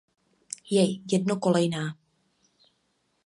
Je jednokolejná.